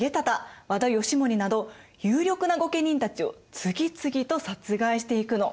和田義盛など有力な御家人たちを次々と殺害していくの。